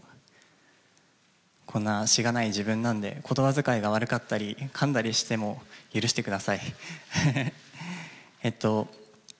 こんなしがない自分なんで、言葉遣いが悪かったり、かんだりしても、許してください。